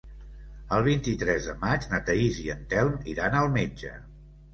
El vint-i-tres de maig na Thaís i en Telm iran al metge.